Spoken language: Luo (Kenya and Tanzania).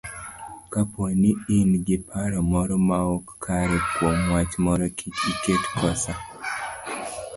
Kapo ni in gi paro moro maok kare kuom wach moro, kik iket kosa